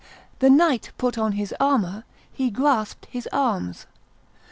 The knight put on his armor; he grasped his arms.